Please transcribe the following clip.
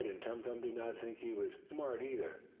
And Tum Tum did not think he was "smart," either.